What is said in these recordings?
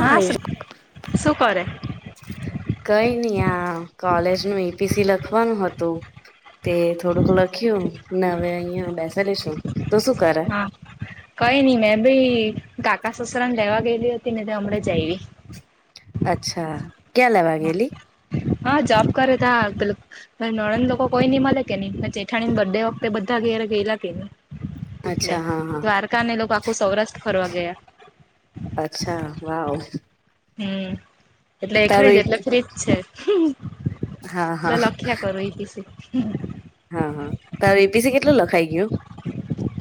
હા શું શું કરે? કઈ નહી આ કોલેજનું એપીસી લખવાનું હતું. તે થોડુંક લખ્યું હવે અહિયાં બેસે લે છું તો શું કરે હા કઈ નઈ મેં ભી કાકા સસરાને લેવા ગયેલી હતી ને હમળા જઈવી. અચ્છા ક્યા લેવા ગલી હા જોબ કરે તા પેલો નણંદ લોકો કોઈ ની મળે કે ની પછે. ઠાણીને બર ડે વખતે બધા ઘેરે ગેલાને એટલે અચ્છા હા હા દ્વારકાને લોકો આખું સૌરાષ્ટ્ર ફરવા ગયા. અચછા વાવ હમ એટલે એકળ જ એટલે તારું ફ્રીજ છે. હા તો હા લક્ષ્યા કર એ શ હા હા તો એપીસી કેટલો લખાઈ ગયુ.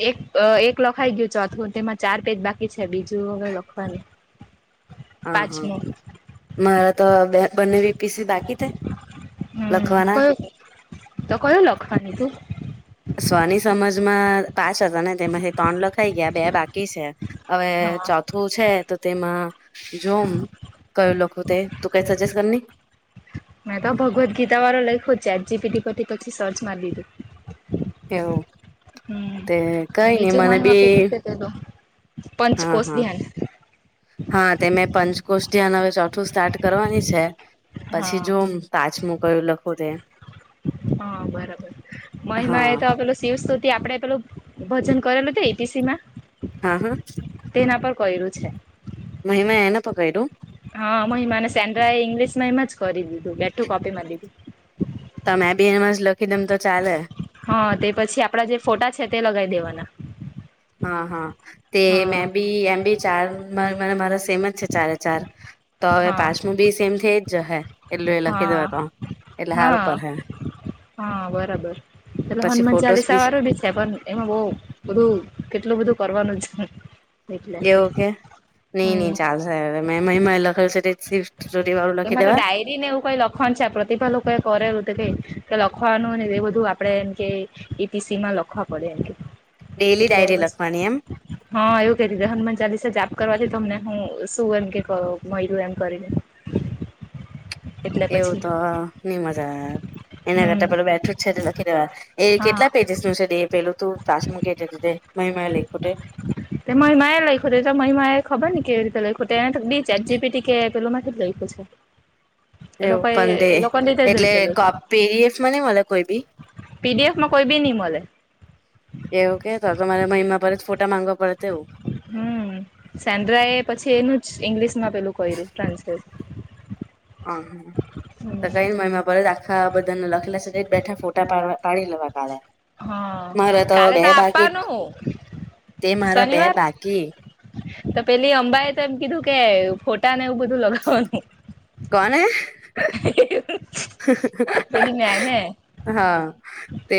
એક એક લખાઈ ગયું ચોથું તેમાં ચાર પેજ બાકી છે બીજું હવે લખવાનું. હા હા પાંચમું મારા તો બે બંનેવી પીસી બાકી થાય. હમ લખવાના કયું તો કયું લખવાની તું. સ્વની સમજમાં પાંચ હતા ને તેમાંથી ત્રણ લખાઈ ગયા બે બાકી છે. હવે હા ચોથુ. તું છે તો તેમાં જોમ કયું લખું તે તું કઈ સજેસ્ટ કર મેં તો ભગવદ ગીતા વાળો લખ્યો છેટ જીપીડી પરથી પછી સર્ચ મારી લીધું. એવું. તે હમ કઈ નઈ બીજું મને મહિમા બી કેટ રીતે પેલું. હા પંચકોષ હા. ધ્યાન. હા તેમે પંચકોષ ધ્યાન હવે ચોથું સ્ટાર્ટ કરવાની છે પછી હા. જો પાંચ મુ કયું લખું તે. હ બરાબર મહિમા હા એ તો પે શિવસ્તથી આપડે પેલું ભજન કરેલું હત ઈપીસી માં. હા હા. તેના પર કરેલુ છે. મહિમા એને તો કર્યું. હા હને સેન્ડ્રા એ ઈંગ્લિશમાં એમાં જ કરી દીધું બેઠું કોપીમાં લીધું. તમે બી એનમાં જ લખી દમ તો ચાલે હા તે પછી આપડા જે ફોટા છે તે લગાવી દેવાના હા હા તે હા મેં બી એમ બી ચાર મારા સેમ જ છે ચારે ચાર તો હવે હા પાચમું બી સેમ થઈ જ જશે. હા હા. પર હે હા બરાબર એેલે પછી હનુમાન ફોટોસ ચાલીસા વાળું બી છે પણ એમાં બઉ બધું કેટલું બધું કરવાનું જ છે એટલે એવું કે નહી નઈ હમ ચાલશે લખલ વા એ મારો ડાયીડ એને એવું કંઈ લખવાનું છે પ્રતિભા લોકોએ કરેલું તો કંઈ કે લખવાનું ને એ બધું આપણે એમ કે એ પીસીમાં લખવા પડે ડેલી એટલે ડાયરી પછી લખવાની એમ. હા એવું ક રીતે હનુમાન ચાલીસા જાપ કરવાથી તમને હું શું એમ કે્યું એમ કરીને [inaudible] એટલે એવું પછી તો નઈ મજા એના કરતા હમ પેલ બેઠું જ છે લખી દેવા એ હા કેટલા પેજસ નું છે એ પેલું ત તો તાાસમ કે છે મહીં મે લેખ્યું છે. તે મહિમા એ લખ્યું ત તો મહિમા એ ખબર ને કેવી રીતે લખ્યું હતું એને બીચ એપ જપીટી કે પેલું થી જ લખ્યું છે. એ એવું લોકો પણ દે એ લોકોને રીતે જ એટલે કો પી ડી એફ માં નહી મળે કોઈ બી પી ડી એફ માં કોઈ ભી નહીં મલે. એવ કે તો તમારે મહિમા પરત ફોટા માંગવા પડે તેવું. હમ્મ સેન્ડ્રા એ પછી એનું જ ઈંગ્લિશ માં પેલું કર્યું ટ્રાન્સલેટ. હ હા તો હમ કઈને મઈ પરત આખા બધાને લખેલા સ બેઠા ફોટ ડા પાડવા પાડી લેવા કાળે. હા મારા તો કાલે બે બાકી આપવાનું તે મારા બે શનિવાર બાકી તો પેલી અંબા એ તો એમ કીધું કે ફોટાને એવું બધું લગાવવાનું. કોને? હ હા. તે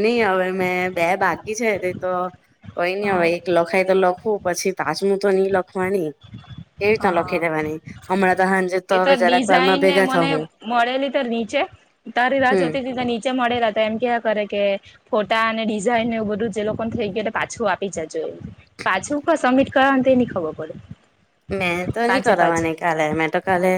નહી હવે મેં બે બાકી છે તે તો કોઈ નહી હા હવે એક લખાય તો લખવું પછી તાજમું તો નઈ લખવાની. એવી રીત હા લખી દેવાની હમણાં તો હાંજે એ તો હવે જરાક કારરમાં ડિઝાઇન ને ભેગા થ મને હું. મળેલી તો નીચે તારી રાત હમ જોતી તી તો નીચે મળેલા. તો એમ કેવા કરે કે ફોટા અને ડિઝાઇન એવું બધું જે લોકોને થઈ ગયું પાછું આપી જજો એ. પાછું ક સબમિટ કરવા તે ની ખબર પડે. મેં તો નઈ પાંચે પાંચ કરવાની. કાલે મેં તો કાલે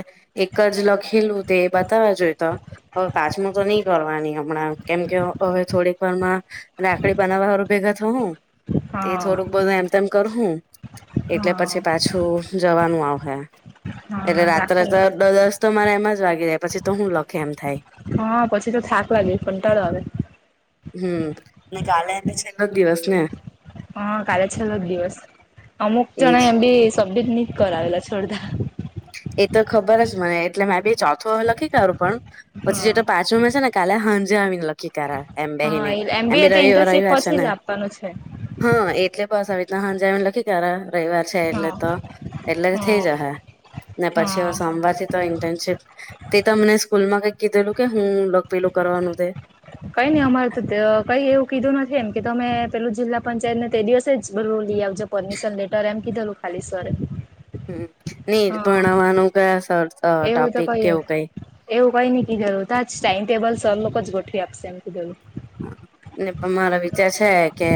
એક જ લખેલું તે બતાવ જોએ તો હ કાચમું તો નહી કરવાની હમણાં કેમ કે હવે થોડીક પણ માં રાકડી બનાવવાળ ભેગા થ હું તે હા થોડુંક બધા એમ તમ કરું એટલે પછી હા પાછું જવાનું આવ હે. એટલે હા રાત્રે રાખો તો દ-દસ તો મારા એમાં જ વાગી જાય પછી તો શું લખે એમ થાય. હા પછી તો થાક લાગે કંટાળો આવે. હમ્મ ને કાલે એને છેલ્લો જ દિવસ ને. હા કાલે છેલ્લો દિવસ. અમુક એજ જણ એમ બી સબમિટ નહીં કરાવેલા છોડદા. એ તો ખબર જ મને એટલે મે ભાઈ ચોથો લખી કરાઢું પણ પછી હા જે તો પાછો મે છે ને કાલે હાંજે આવી ને લ કી કારા એમ બેહી હા ને એમ એ બી તો રવિવાર ઇન્ટર્નશીપ રવિવાર છે પછી જ ને આપવાનું છે હા, એટલે બસ આવી રીત ના હાંજે એમ લખી ક્યારે રવિવાર છે એટલે હા તો એટલે થઇ હા જા હૈ. ને પછી હા હવે સોમવાર થી તો ઇન્ટર્નશીપ તે તમને સ્કૂલ માં કઈક કીધેલું કે હું લોક પહેલું કરવાનું તે કઈ નઈ અમારે તો તે અહ કઈ એવું કીધું નથી એમ કે તમે પેલું જિલ્લા પંચાયતને તે દિવસે જ ભું લઈ આવ જા પરમિશન લેટર એમ કીધેલું ખાલી સર રે. હમ્મ, નીર ભણવાનું કયા સર અ એવું તો ટોપિક કહીએ. કેવું કઈ એવું કઈ નહીં કીધલું તાજ ટાઈમ ટેબલ સર લોકો જ ગોઠવી આપશે એમ કીધેલું. હા, ને મારો વિચાર છે કે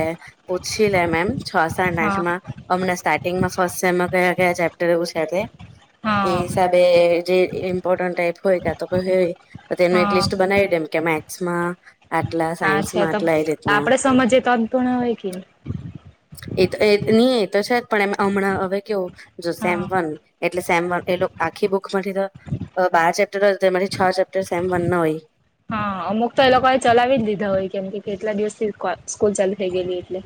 પૂછી લેમ એમ છ સાઠ આઠ હા માં હમણાં સ્ટાર્ટિંગ માં ફર્સ્ટ સેમમાં કયા કયા ચેપ્ટર એવું છે તે એ હા હિસાબ જે ઈમ્પોર્ટ ટાઈપ હોય ક્યાતો ક હે તો તે એનું એક હા લિસ્ટ બનાવી દેમ કે મેથસમાં અચછા તો આપડે સમજ તોન પર્ણા હોય કે. એ તો એ નહી એ તો છે પણ એ હમણાં હવે કેવો જો સેમ હા વન એટલે સેમ વન એટલું આખી બુક માંથી તો અ બાર ચેપ્ટરો તેરી છ ચેપ્ટર સેમ વન ના હોય. હા અમુક તો એ લોકો એ ચલાવી જ લીધા હોય કેમ કેટલા દિવસ થી સ્કૂલ ચાલુ થઈ ગયેલી એટલે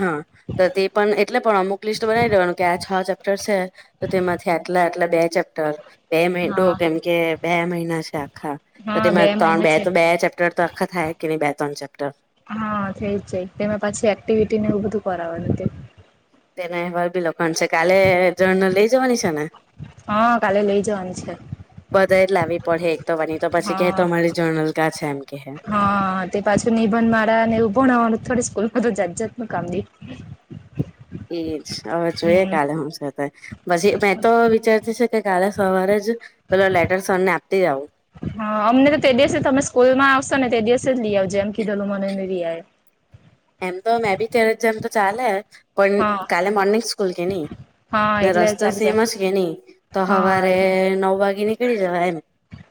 હા તો તે પણ એટલે પણ અમુક લિસ્ટ બનાવી દેવાનું કે આ છ ચેપ્ટર છે. તો તેમાંથી આટલા આટલા બે ચેપ્ટર બે મહિડો હા કેમ કે બે મહિના છે આખા તો હા તેમાં ત્રણ મહિના બે છે તો બે ચેપ્ટર તો આખા થાય કે નહી બે ત્રણ ચેપ્ટર હા થઈ જ જાય તેમે પાછી એક્ટિવિટી ને એવું બધું કરાવવાનું તે. તેના અહેવાલ બીલખવાની છે કાલે જર્નલ લઇ જવાની છે ને. હા કાલે લઈ જવા ની છે. બધા એજ લાવવી પડ હે એક તોવાની તો પછી કે હા તમારી જર્નલ કા છે એમ કે. હા તે પાછું નિભંધ માળા અને એવું ભણાવાનું થોડી સ્કૂલમાં તો જાત જાત નુ કામ દે. એજ હવે જો એ હમ કલે હુ થા. પછી મેં તો વિચારતી છે કે કાલે સવારે જ પેલો લેટર સર ને આપતી આવું. હા અમને તો તે દિવસે તમે સ્કૂલ માં આવશો ને તે દિવસે જ લઈ આવજ જેમ કીધેલું મને ને લઈ. એમ તો મે બી કેરેજ જેમ તો ચાલે પણ હા કાલે મોર્નિંગ સ્કૂલ કે ની હા ને એટલે રસ્તો ચાલી સેમ જાય જ કે હી તો હા હવારે એટલે નવ વાગે નીકળી જવા એમ.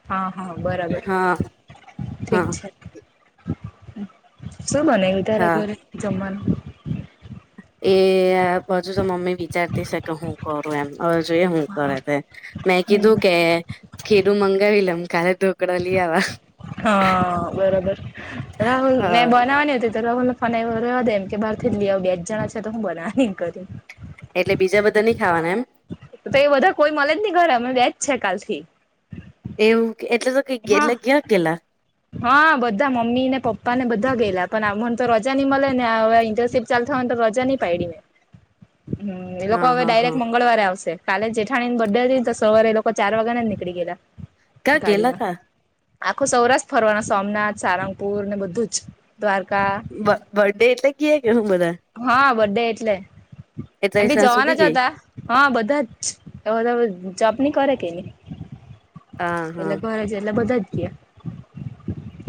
હા હા બરાબર હા ઠીક હા છે. શું બનાવુ‌ તારે હા ઘરે જમવાનું એ હજુ તો મમ્મી વિચારતી છે કે હું કરું એમ હવે જોઈએ હું કરે તે. મેં કીધું કે ખીરું મંગાવી લેમ કાલે તો હા બરોબર રાહુલ હા મેં બનાવાની હતી રાહુલનો ફોન આયવો કે રહેવા દે એમ કે બહારથી જ લી આવું બે જ જણા છે તો હું બનાવાની એન કરતી. એટલે બીજા બધા ની ખાવાના એમ. તો એ બધા કોઈ મલે જ નહી ઘરે અમે બેજ છે કાલ થી. એવું કે એટલે તો ક એટલે હા ગયા ગેલા. હા બધા મમ્મી ને પપ્પા ને બધા ગેલા પણ મને તો રજા ની મળે ને આ ચાલ થવા ને તો રજા ની પાયડી મે હમ એ લોકો હા હવે હા ડાયરેક્ટ હા મંગળવારે આવશે. કાલે જેઠાણી બર્થ ડે હતી ને તો સવારે એ લોકો ચાર વાગ્યા ના નીકળી ગયેલા ક્યાં ગેલા ગાડીમાં આખો સૌરાષ્ટ્ર ફરવાના સોમનાથ સારંગપુર ને બધું જ દ્વારકા બ બર્ડે કે એટલે કયાં ગામમાં. હા બર્થ ડે એટલે એટલે એમ બી સાસુ જવાના જ ગઈ હતા હા બધાજ એ વ તે જોબ ની કરે કેની હા એટલે હા ઘરે જ એટલે બધા જ ગયા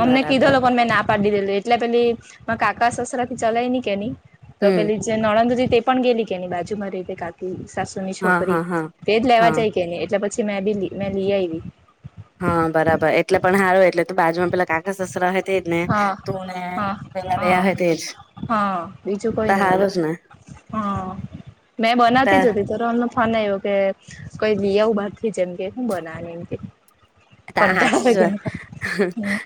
અમને કીધો બરાબર લોકો મે પાડી દીધેલી એટલે પેલી મારા કાકા સસરાથી ચલાય ને કેની તો હમ પેલી જે નણંદ રી તે પણ ગેઇલી કે એની બાજુમાં રહેયી તે કાકી સાસુ ની હા છોકરી હા હા તેજ લેવા હા જાય. એટલે પછી મેં બી મે બી લી આઈ વી. હા બરાબર એટલે પણ હારુ એટલે તો બાજુમાં પેલા કાકા સસરા હોય તેજ ને હા તને હા પેલા બે હા અહે તેજ હા બીજું કોઈ ત નઈ બોલે હારું જ ને હા મેં ત બનાવતી જ હતી. એમનો ફોન આવ્યો કે કઈ લીયાવુ બાર થી જેમ કે શું બનાની એમકે તા હાચી જ વાત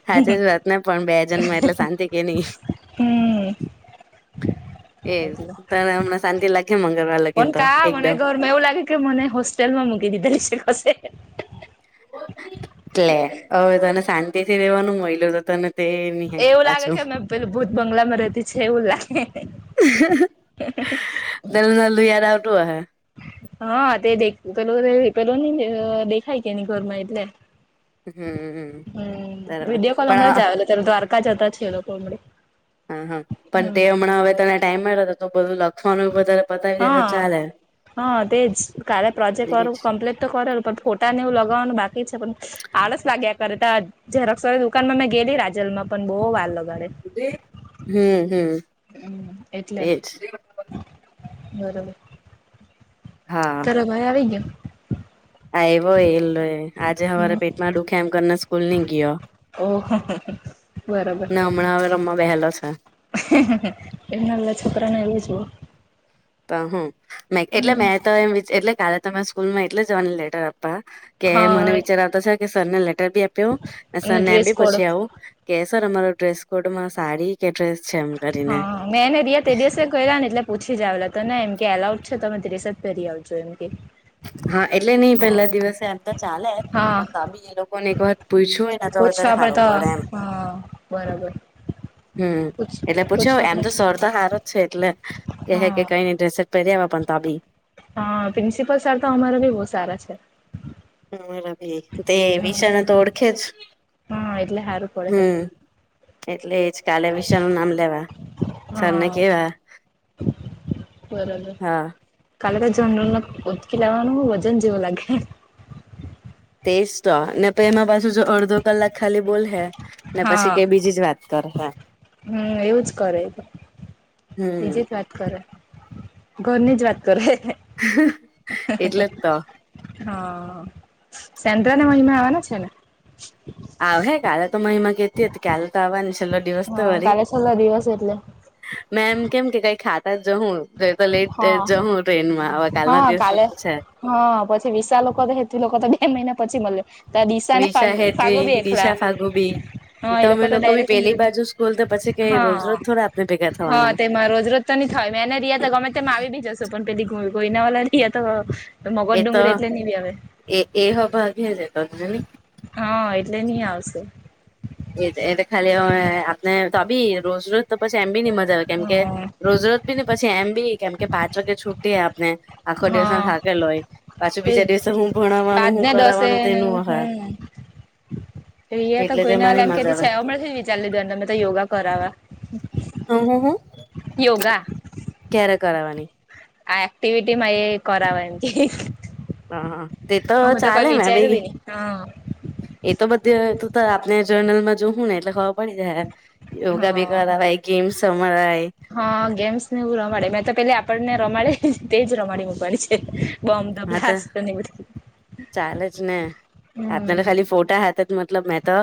હાચી જ વાત ને પણ બેજન માં એટલે શાંતિ કે નહી હમ એજ એટલે ત હમણાં શાંતિ લાગે મંગલવા પણ કા મને ઘરમાં એવું લાગે કે મને હોસ્ટેલમાં મૂકી દીધાલી છે કશે એટલે હવે તને શાંતિ થી રેવાનું મયલુ તો તને તે નહી એવું લાગે પાછું કે અ મે પેલુ ભૂત બંગલામાં રહેતી છે એવું લાગે હે હે હે નાલ્લું- નાલ્લું યાદ આવતું હએ. હા તે દેખ પે પેલો ની દેખાય કે ની ઘરમાં એટલે હમ હમ બરાબર વિડીયો કોલ પણ હમણાં જ આવેલો ત્યારે દ્વારકા જતા છે એ લોકો હમણે હા હા પણ તે હમ હમણાં હવે તને ટાઈમ મળ્યો તો તો બધું લખ હા હા તેજ કાલે પ્રોજેક્ટ એજ વાળું કમ્પ્લીટ તો કરેલુ પણ ફોટ ટાને એવુ લગાવવાનું બાકી છે પણ. આળસ લાગ્યા કરે. તા ઝેરોક્ષવાળી દુકાનમાં મે ગેયલી રાજલમાં પણ બહુ વાર લગાડે. [inaudible] હમ હમ હમ એટલે એજ બરોબર. હા તારો ભાઈ આવી ગયો. આયવો એલો એ આજે હવારે હમ પેટમાં દુખે એમ કરીને સ્કૂલ ની ગીયો. ઓહ! હહ હહ ને હમણાં હવે રમવા બેહેલો છે. એ નાલ્લા છોકરાને એવું જ હોય. તો હું એટલે મે તો એમ એટલે કાલે તો મેં સ્કૂલમાં એટલે જવાની લેટર આપવા. કે હા મને વિચાર આવતો છે કે સરને લેટર બી આપી આવું, ને સર અને ને એમ ડ્રેસ બી કોડ પૂછી આવું. કે સર અમારો ડ્રેસ કોડમાં સાડી કે ડ્રેસ છે એમ. કરીને હા મેને રિયા તે દિવસે કરયા ને એટલે પૂછી જ આવેલા તોને એમ કે એલાઉટ છે તો તમે ડ્રેસ જ પહેરી આવજો એમ કેઇ. હા એટલે નહિ પેલા દિવસે એમ તો ચાલે. હા પણ તો બી એ લોકોને એક વાર પૂછ્યું હોયન પૂછવા પર તો હા બરાબર. હમ પૂછ એટલે પૂછો પૂછવા એમ તો પડે સર તો હારો જ છે એટલે કહે હા કે કઈ ની ડ્રેસ જ પેરી આવો પણ તો બી હા પ્રિન્સિપલ સર તો અમારા બી બોવ સારા છે. અમારા બી તે વિષા ને તો ઓળખે જ. હા એટલે હારું પડે હમ હે. એટલે એજ કાલે વિશાનું નામ લેવા સરને કેવા બરાબર. હા કાલે તો જનરલનું ઊચકી લાવવાનું વજન જેવું લાગે. તેજ તો ને એમાં પાછુ જો અડધો કલાક ખાલી બોલહે ને પછી હા કઈ બીજી જ વાત કરહે. હમ એવું જ કરે એતો હમ બીજી જ વાત કરે ઘરની જ વાત કરે હે. [inaudible] એટલે જ તો હા સેંત્રાને મહિમા આવવાના છે ને? [inaudible] આવહે કાલ તો મહિમા કેતી હતી કાલ તો આવા ને છેલ્લો દિવસ તો હા વરી કાલે છેલ્લો દિવસ એટલે મે એમ કેમ કે કઈ ખાતા જ જહું. ઘરે તો લેટ હા જહું ટ્રેનમાં હવે કાલના હા દિવસ જ કાલે તો છે. હા પછી વિસા લોકો તો હેતવી લોકો તો બે મહિના પછી મલે. તો ડીસા ને ફ વિશા ફાગો બી હેતવી એખલા. દિશા ફાગુબી હા એ લોકો અમે તો બી ડાયરેક પેલી બાજુ સ્કૂલ તો પછી કઈ રોજ રોજ હા થોડા આપને ભેગા હા થવાના તેમાં રોજ રોજ તો ની થય મેને રિયા તો ગમે તેમ આવી બી જશો પણ પેલી ગોઈના વાલા રિયા તો મગજ એ તો ડુંગર એટલે નહી બી આવે એ એ હવે ભાગહે જ એતો જોની. હા, એટલે નહી આવશે. એ એ ખાલી હમણે આપને તો બી રોજ રોજ તો પછી એમ બી નહી મજા આવે કેમ કે હા રોજ રોજ બી ને પછી એમ બી કેમ કે પાંચ વાગે છૂટીએ આપને આખો દિવસ હા ના થાકેલ હોય પાછું તે બીજા દિવસે હું ભણાવવાનું પાંચ હું ને દસે કરાવાનું તેનું અહે. હમ રિયા તો ઘ કોઈને તેમાંની એમ મજા કેતી આવે છે આમળા થી જ વિચારી લીધો એમને તો યોગા કરાવા. હું હું યોગા. ક્યારે કરાવવાની? આ એકક્ટિવિટીમાં એ કરાવા એમ થી. હા હા તે તો ચાલે મેં વિચાર્યું બી નહી હા એ તો બધું તું તો આપને જર્નલમાં જોઉ હું ને એટલે ખબર પડી જાહે. યોગા બી હા કરાવાય ગેમ્સ રમાળરાય. હા, ગેમ્સ ને એવું રમાડે મેં તો પેલા આપણને રમાડે તેજ રમાડી મૂકવાની છે. બોમ્બ ધ હા તો બ્લાસ્ટ ને એ બધું. ચાલે જ ને હમ આપના ખાલી ફોટા હાથ જ મતલબ મેં તો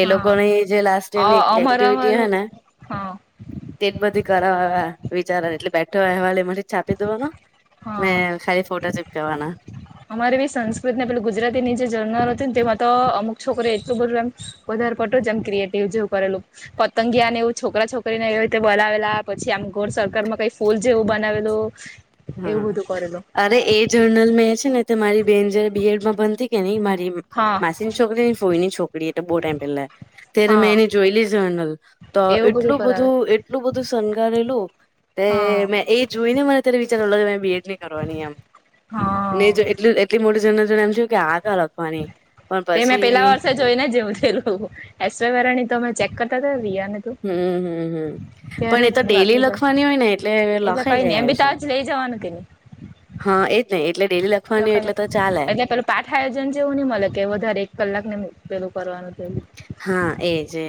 એ લોકો હા ની જે લાસ્ટ ઇયર એક અમાર અમાર એક્ટિવિટી હ ને હા તે જ બધી કરાવ વિચારા એટલે બેઠો અહેવાલે મળે છાપી દેવાનો ને હા ખાલી ફોટો ચીપકવાના. અમારે બી સંસ્કૃત ને પેલ ગુજરાતી ની જે જણનાર હતી ને તેમાં તો અમુક છોકરો એટલું બધું એમ વધારે પડતું જેમ ક્રિએટિવ જેવું કરેલું. પતંગીયા ને એવું છોકરા છોકરી ને એવી રીતે બોલાવેલા પછી આમ ઘોર સર્લ માં કઇસ સ્કૂલ જેવું બનાવેલું હા એવું બધું કરેલું અરે એ જર્નલ મેં છે ને મારી બેન જયારે બી એડ માં ભનતી કે ને મારી હા માસીની છોકરી ને ફૂઈ ની છોકરી એતો બોહ ટાઈમ પેલા. અત્યારે હા મેં એની જોયલી જર્નલ તો એવું એટલું કરાવે બધું એટલું બધું શણગારેલું તે હા મેં એ જોઈ ને મને ત્યારે વિચાર બી એડ નહીં કરવાની એમ ને હા એટલ એટલી મોટી જ એમ છે કે આગ અલગ તે મેં પેલા વર્ષે જોઈને જેવું થઈલું. એસવરાની તો અમે ચેક કરતા હતા રિયા ને હમ્મ, હમ્મ, હમ્મ. પણ એ તો હું ડેલી આટલી જ લખવાની હોય ને એટલે એટલે લખાઈ કઈ નઈ જાય એમ આવે બી છે. તાજ લઈ જવાનું કે નહી હા એ જ ને એટલે ડેલી લખ તા ખાએ એટલે પેલું પાઠ આયોજન છે એવું નહી મળે કે વધારે એક કલાક ને પેલું કરવાનું પેલું હા એજ એ